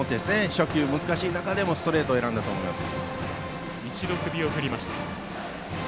初球、難しい中でもストレートを選んだと思います。